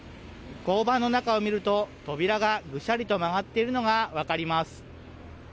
交番の中を見ると、扉がぐしゃりと曲がっているのが分かります。